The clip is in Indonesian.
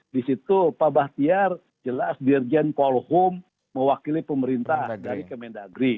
di situ pak bahtiar jelas dirjen polhum mewakili pemerintah dari kemendagri